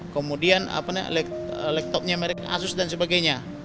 kemudian laptop nya merek asus dan sebagainya